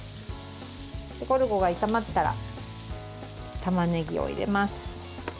ゴルゴが炒まったらたまねぎを入れます。